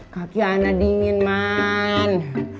kaki anak dingin man